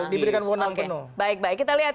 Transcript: diberikan wonang penuh baik baik kita lihat